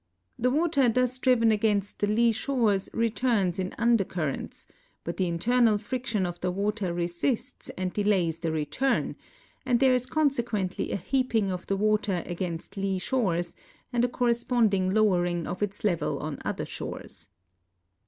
The water thus driven against the lee shores returns in under currents, but the internal friction of the water resists and delays the return, and there is consequently a heaping of the water against lee shores and a corj esponding lowering of its level on other shores.